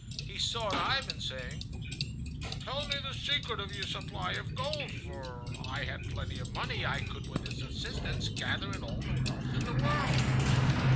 He sought Ivan, saying: "Tell me the secret of your supply of gold, for if I had plenty of money I could with its assistance gather in all the wealth in the world."